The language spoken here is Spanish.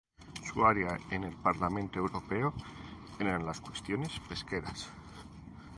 Su área en el Parlamento Europeo eran las cuestiones pesqueras.